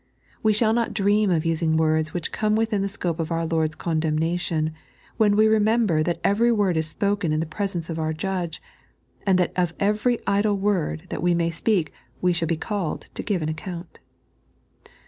We shall not dream of using words which come within the scope of our Lord's condemnation, when we remember that every word is spoken in the presence of our Judge, and that of every idle word that we may speak we shall be called to give an account.